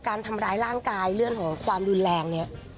การทำร้ายร่างกายเรื่องของความรุนแรงเนี่ย